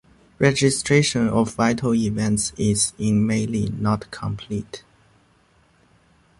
Registration of vital events is in Mali not complete.